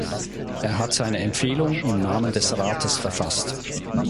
Er hat seine Empfehlung im Namen des Rates verfasst.